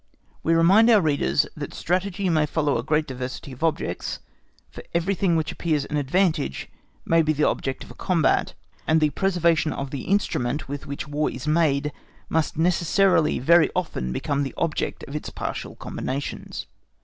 We remind our readers that strategy may follow a great diversity of objects, for everything which appears an advantage may be the object of a combat, and the preservation of the instrument with which War is made must necessarily very often become the object of its partial combinations.